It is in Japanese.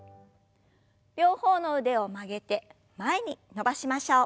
両方の腕を曲げて前に伸ばしましょう。